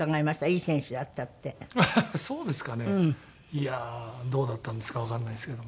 いやあどうだったんですかわからないですけども。